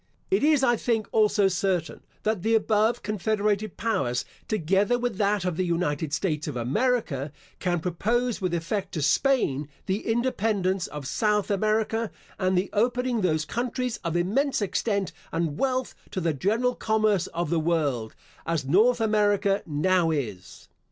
It is, I think, also certain, that the above confederated powers, together with that of the United States of America, can propose with effect, to Spain, the independence of South America, and the opening those countries of immense extent and wealth to the general commerce of the world, as North America now is.